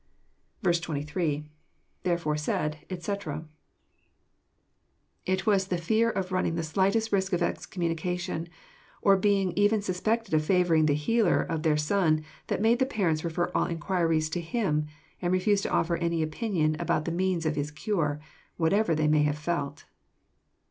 28.— [Tftere/or« said, etc."] It was the fear of running the slightest risk of excommunication, or being even suspected of favouring the Healer of their son, that made the parents refer all inquiries to him, and refuse to offer any opinion about the means of his cure, whatever they may have felt.